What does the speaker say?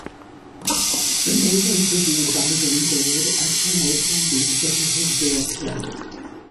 The meetings of the Advisory Board are chaired by the Executive Director.